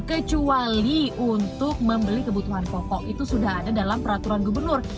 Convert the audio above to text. kecuali untuk membeli kebutuhan pokok itu sudah ada dalam peraturan gubernur